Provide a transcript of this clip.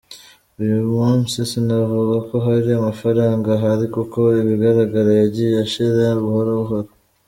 Uyu munsi sinavuga ko hari amafaranga ahari kuko ibigaragara yagiye ashira buhoro buhoro.